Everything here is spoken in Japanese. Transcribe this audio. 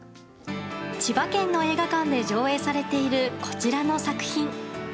千葉県の映画館で上映されているこちらの作品。